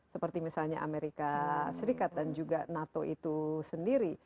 seperti misalnya amerika serikat dan juga nato itu sendiri